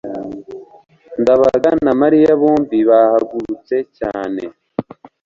ndabaga na mariya bombi bahagurutse cyane